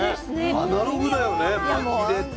アナログだよねまきでって。